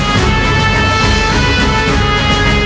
kau tak dapat menangani saya